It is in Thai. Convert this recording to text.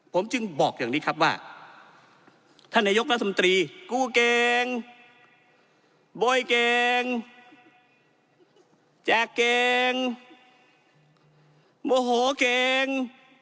ผมจึงบอกอย่างนี้ครับว่าท่านนายกรัฐมนตรีกู้เก่งโบยเก่งแจกเก่งโมโหเก่ง